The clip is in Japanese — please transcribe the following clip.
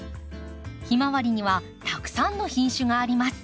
ヒマワリにはたくさんの品種があります。